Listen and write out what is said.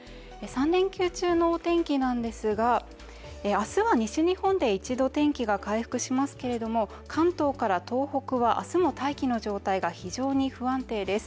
３連休中のお天気ですが、明日は西日本で一度、天気が回復しますけども関東から東北は明日も大気の状態が非常に不安定です。